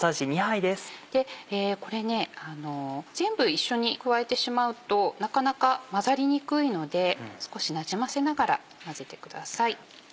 これ全部一緒に加えてしまうとなかなか混ざりにくいので少しなじませながら混ぜてください。